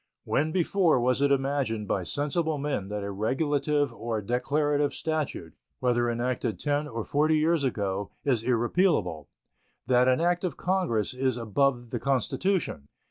When before was it imagined by sensible men that a regulative or declarative statute, whether enacted ten or forty years ago, is irrepealable; that an act of Congress is above the Constitution?